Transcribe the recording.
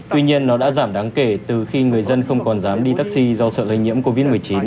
tuy nhiên nó đã giảm đáng kể từ khi người dân không còn dám đi taxi do sợ lây nhiễm covid một mươi chín